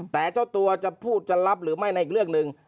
แต่เจ้าตัวจะพูดจะรับหรือไม่ในอีกเรื่องหนึ่ง